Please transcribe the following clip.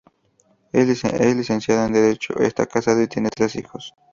Es licenciado en derecho, está casado y tiene tres hijos.